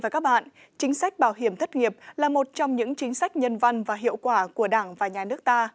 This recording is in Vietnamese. chính sách bảo hiểm thất nghiệp là một trong những chính sách nhân văn và hiệu quả của đảng và nhà nước ta